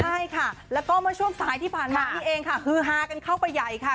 ใช่ค่ะแล้วก็เมื่อช่วงสายที่ผ่านมานี่เองค่ะฮือฮากันเข้าไปใหญ่ค่ะ